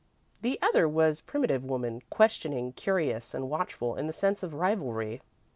The other was Primitive Woman; questioning, curious, and watchful in the sense of rivalry.